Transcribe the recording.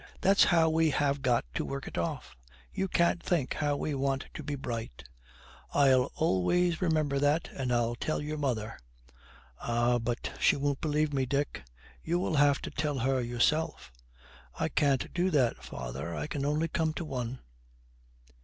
That's how we have got to work it off. You can't think how we want to be bright.' 'I'll always remember that, and I'll tell your mother. Ah, but she won't believe me, Dick; you will have to tell her yourself.' 'I can't do that, father. I can only come to one.'